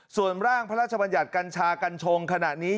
ส่วนร่างพระราชบัญญัติกัญชากัญชงขณะนี้